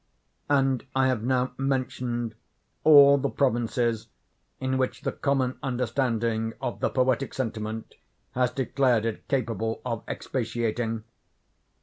And I have now mentioned all the provinces in which the common understanding of the poetic sentiment has declared it capable of expatiating.